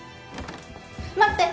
待って